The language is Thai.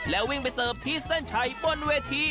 วิ่งไปเสิร์ฟที่เส้นชัยบนเวที